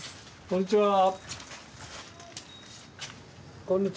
こんにちは。